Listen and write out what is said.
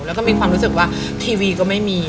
แล้วก็มีความรู้สึกว่าทีวีก็ไม่มี